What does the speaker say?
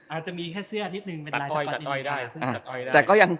อาจจะมีแค่เสื้ออาทิตย์นึง